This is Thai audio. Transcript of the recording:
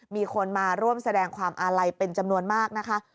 มีคนมาร่วมแสดงความอาลัยเป็นจำนวนมากนะคะ